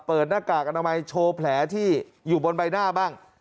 หน้ากากอนามัยโชว์แผลที่อยู่บนใบหน้าบ้าง